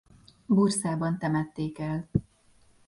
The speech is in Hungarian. Bursában temették el.